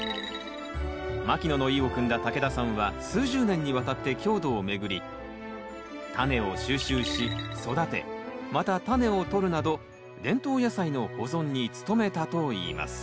牧野の意をくんだ竹田さんは数十年にわたって郷土を巡りタネを収集し育てまたタネをとるなど伝統野菜の保存に努めたといいます。